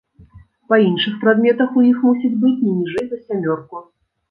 Па іншых прадметах у іх мусіць быць не ніжэй за сямёрку.